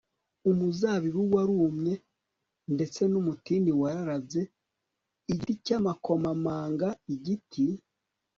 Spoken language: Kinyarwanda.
Umuzabibu warumye ndetse n umutini wararabye Igiti cy amakomamanga igiti